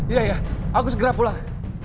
iya ya aku segera pulang